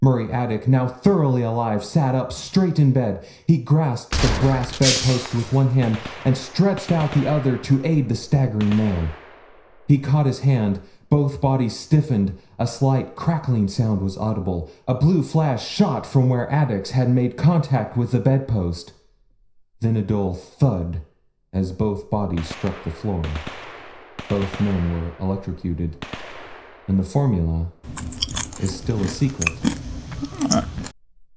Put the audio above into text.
Murray Attic, now thoroughly alive, sat up straight in bed. He grasped the brass bed post with one hand and stretched out the other to aid the staggering man. He caught his hand; both bodies stiffened; a slight crackling sound was audible; a blue flash shot from where Attic's had made contact with the bed post; then a dull thud as both bodies struck the floor. Both men were electrocuted, and the formula is still a secret.